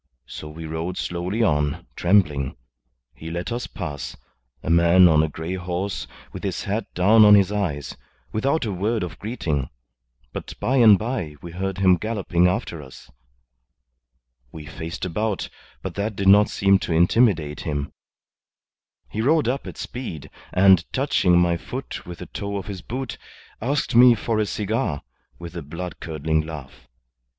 So we rode slowly on, trembling. He let us pass a man on a grey horse with his hat down on his eyes without a word of greeting; but by and by we heard him galloping after us. We faced about, but that did not seem to intimidate him. He rode up at speed, and touching my foot with the toe of his boot, asked me for a cigar, with a blood curdling laugh.